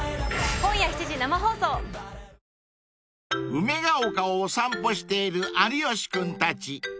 ［梅丘をお散歩している有吉君たち］